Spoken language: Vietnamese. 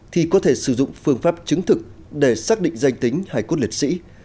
thì có thể sử dụng phương pháp chứng thực để xác định danh tính hải cốt liệt sĩ